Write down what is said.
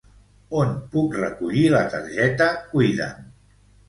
On puc recollir la targeta Cuida'm?